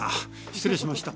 失礼しました。